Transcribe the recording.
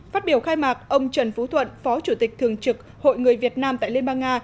phát biểu khai mạc ông trần phú thuận phó chủ tịch thường trực hội người việt nam tại liên bang nga